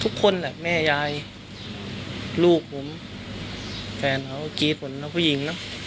ทุกคนแหละแม่ยายลูกผมแฟนเขาก็กรี๊ดเหมือนกับผู้หญิงนะ